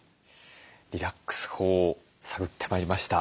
リラックス法を探ってまいりました。